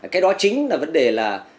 cái đó chính là vấn đề là